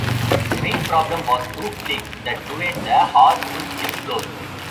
The main problem was roof leaks that ruined the hardwood gym floor.